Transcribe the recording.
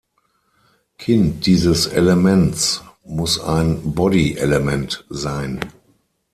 Kind dieses Elements muss ein "Body"-Element sein.